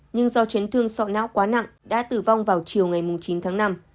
nhưng do chấn thương sọ não quá nặng đã tử vong vào chiều ngày chín tháng năm